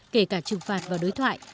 kể cả trừng phạt và đối thoại